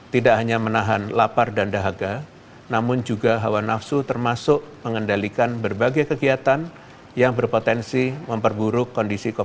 tidak hanya menahan lapar dan dahaga namun juga hawa nafsu termasuk mengendalikan berbagai kegiatan yang berpotensi memperburuk kondisi covid sembilan belas